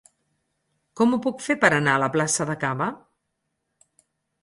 Com ho puc fer per anar a la plaça de Caba?